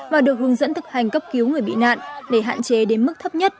và được hướng dẫn thực hành cấp cứu người bị nạn để hạn chế đến mức thấp nhất